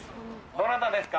どなたですか？